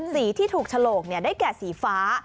สีที่ถูกฉลกได้แก่สีฟ้า